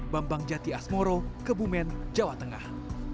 bambang jati asmoro kebumen jawa tengah